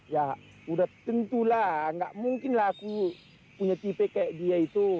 ya udah tentulah nggak mungkin lah aku punya tipe kayak dia itu